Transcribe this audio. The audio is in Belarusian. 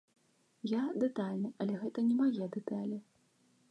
Я дэтальны, але гэта не мае дэталі.